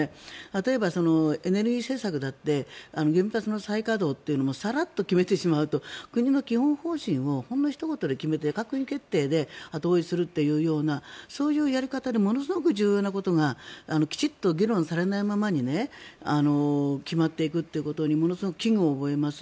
例えばエネルギー政策だって原発の再稼働というのもさらっと決めてしまうと国の基本方針をこんなひと言で決めてしまって閣議決定で後追いするというようなそういうやり方でものすごく重要なことがきちんと議論されないままに決まっていくということにものすごく危惧を覚えます。